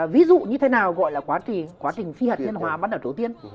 ví dụ như thế nào gọi là quá trình phi hạt nhân hóa bắt đầu tổ tiên